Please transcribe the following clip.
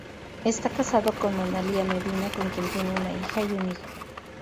Está casado con Analía Medina, con quien tienen una hija y un hijo.